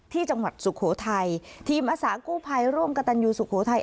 ที่จังหวัดสุโขทัยทีมอาสากู้ภัยร่วมกับตันยูสุโขทัย